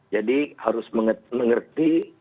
jadi harus mengerti